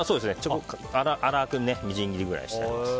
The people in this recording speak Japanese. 粗くみじん切りにしてあります。